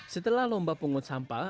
setelah lomba pungut sampah